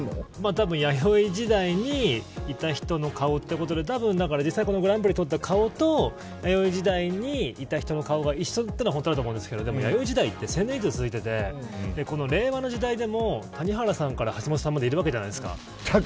たぶん弥生時代にいた人の顔ということで実際このグランプリを取った顔と弥生時代にいた人の顔が一緒というのがほとんどだと思うんですがでも、弥生時代って千年以上続いてて令和の時代でも谷原さんから橋下さんまでいるわけじゃないですか。